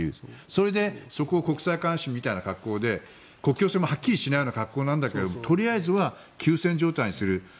それでそこを国際監視みたいな格好で国境線もはっきりしないような格好なんだけどとりあえずは休戦状態にする。